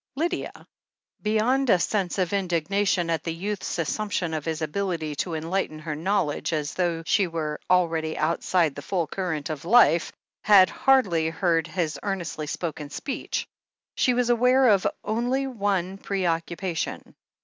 Lydia, beyond a sense of indignation at the youth's assumption of his ability to enlighten her knowledge as though she were already outside the full current of life, hardly heard his earnestly spoken speech. She was aware of only one preoccupation.